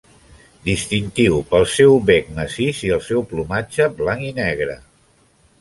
Distintiu pel seu bec massís i el seu plomatge blanc i negre.